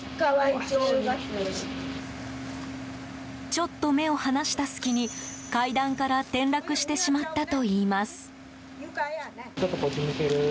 ちょっと目を離した隙に階段から転落してしまったといいます。